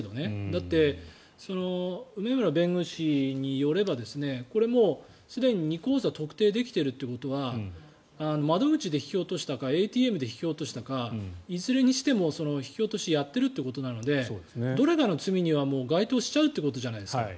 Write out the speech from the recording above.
だって、梅村弁護士によればこれもう、すでに２口座特定できてるってことは窓口で引き落としたかＡＴＭで引き落としたかいずれにしても引き落としやってるってことなのでどれかの罪には該当しちゃうということじゃないですか。